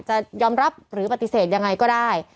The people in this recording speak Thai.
จะยอมรับหรือปฏิเสธยังไงก็ได้